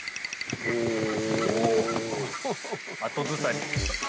後ずさり。